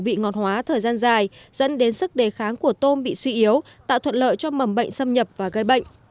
bị ngọt hóa thời gian dài dẫn đến sức đề kháng của tôm bị suy yếu tạo thuận lợi cho mầm bệnh xâm nhập và gây bệnh